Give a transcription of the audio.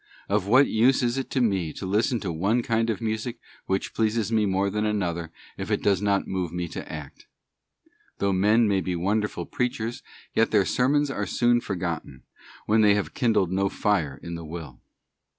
Of what use is it to me to listen to one kind of music which pleases me more than another, if it does not move me to act? Though men may be wonderful preachers, yet their sermons are soon forgotten, when they kindled no fire in the will.